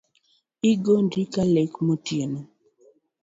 Igondri ka lek motieno